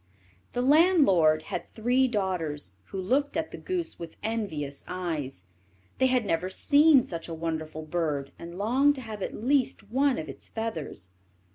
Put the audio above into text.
The landlord had three daughters, who looked at the goose with envious eyes. They had never seen such a wonderful bird, and longed to have at least one of its feathers.